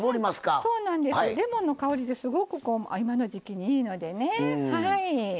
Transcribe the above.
レモンの香りってすごく今の時季にいいのでね。